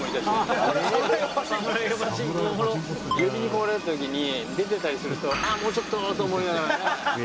「呼びに来られた時に出てたりするとあっもうちょっと！と思いながら」